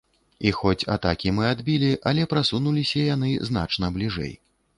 І хоць атакі мы адбілі, але прасунуліся яны значна бліжэй.